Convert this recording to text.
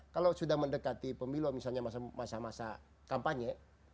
kalau sudah mendekati pemilu misalnya masa masa kampanye